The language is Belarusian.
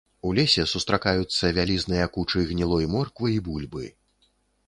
У лесе сустракаюцца вялізныя кучы гнілой морквы і бульбы.